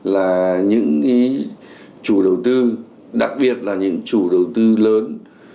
là những chủ đầu tư đặc biệt là những chủ đầu tư lớn